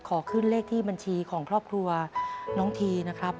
ขอขึ้นเลขที่บัญชีของครอบครัวน้องทีนะครับ